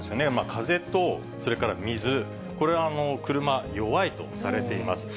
風とそれから水、これは、車弱いとされています。